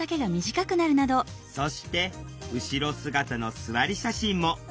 そして後ろ姿の座り写真も。